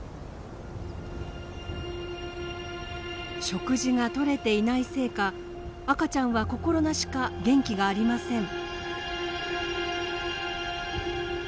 食事がとれていないせいか赤ちゃんは心なしか元気がありません。